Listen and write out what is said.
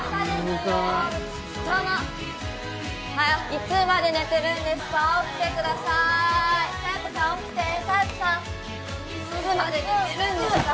いつまで寝てるんですか起きてくださーい佐弥子さん起きて佐弥子さんいつまで寝てるんですか